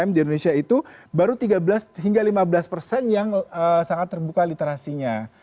umkm di indonesia itu baru tiga belas hingga lima belas persen yang sangat terbuka literasinya